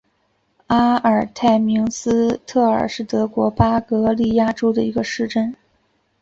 阿尔滕明斯特尔是德国巴伐利亚州的一个市镇。